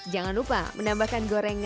jangan lupa menambahkan goreng ngantuk